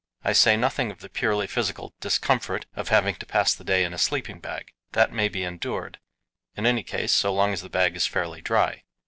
I say nothing of the purely physical discomfort of having to pass the day in a sleeping bag. That may be endured; in any case, so long as the bag is fairly dry.